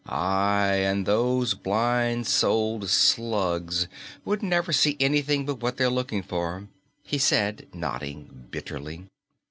"Aye, and those blind souled slugs would never see anything but what they're looking for," he said, nodding bitterly.